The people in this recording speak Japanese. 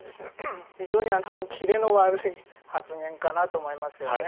非常に切れの悪い発言かなと思いますよね。